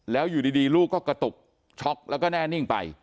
แล้วอยู่ดีลูกก็กระตุกช็อกแล้วก็แน่นิ่งไป